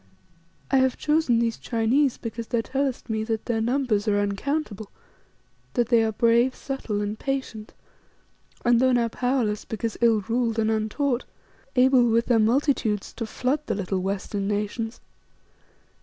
I have chosen these Chinese because thou tellest me that their numbers are uncountable, that they are brave, subtle, and patient, and though now powerless because ill ruled and untaught, able with their multitudes to flood the little western nations.